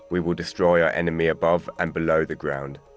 kita akan mencabar musuh kita di atas dan di bawah tanah